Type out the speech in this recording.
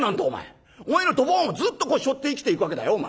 お前のドボンをずっとこうしょって生きていくわけだよお前。